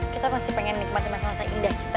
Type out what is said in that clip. kita pasti pengen nikmatin masa masa indah kita